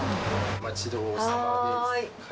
お待ちどおさまです。